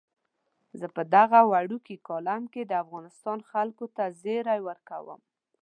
زه په دغه وړوکي کالم کې د افغانستان خلکو ته زیری ورکوم.